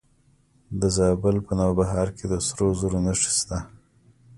د زابل په نوبهار کې د سرو زرو نښې شته.